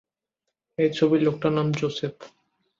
এই ছবির লোকটার নাম জোসেফ।